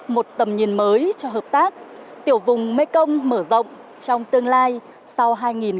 một tầm nhìn mới cho hợp tác tiểu vùng mekong mở rộng trong tương lai sau hai nghìn hai mươi năm